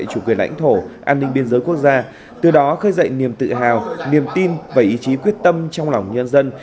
chủ quyền lãnh thổ an ninh biên giới quốc gia từ đó khơi dậy niềm tự hào niềm tin và ý chí quyết tâm trong lòng nhân dân